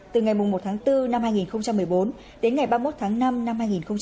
từ ngày một tháng bốn năm hai nghìn một mươi bốn đến ngày ba mươi một tháng năm năm hai nghìn một mươi chín